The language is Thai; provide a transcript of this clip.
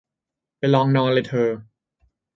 ไปลองนอนเลยเธอ